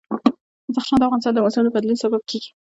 بدخشان د افغانستان د موسم د بدلون سبب کېږي.